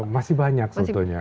masih banyak sebetulnya